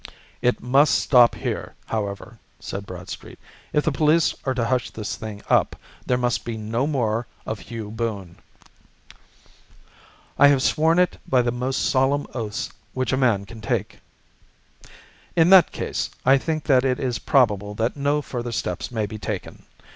"It must stop here, however," said Bradstreet. "If the police are to hush this thing up, there must be no more of Hugh Boone." "I have sworn it by the most solemn oaths which a man can take." "In that case I think that it is probable that no further steps may be taken.